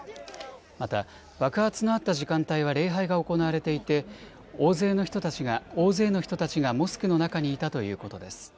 また爆発のあった時間帯は礼拝が行われていて大勢の人たちがモスクの中にいたということです。